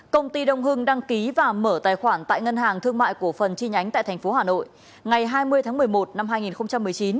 công ty đông hưng đăng ký và mở tài khoản tại ngân hàng thương mại cổ phần chi nhánh tại tp hà nội ngày hai mươi tháng một mươi một năm hai nghìn một mươi chín